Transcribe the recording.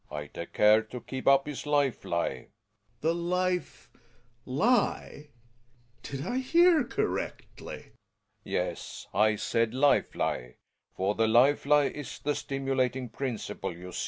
I take care to keep up his life lie. / Gregers. The life — lie ? Did I hear correctly ? Relling. Yes, I said life lie. For the life lie is the stimulating principle, you see.